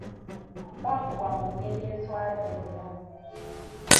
Bakubwa mu ngeri eswaza ennyo!